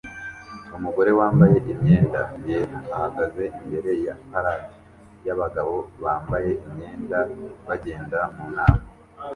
Umugore wambaye imyenda yera ahagaze imbere ya parade yabagabo bambaye imyenda bagenda mumuhanda